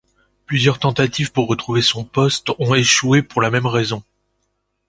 Plusieurs tentatives pour retrouver son poste ont échoué pour la même raison.